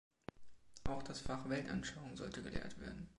Auch das Fach „Weltanschauung“ sollte gelehrt werden.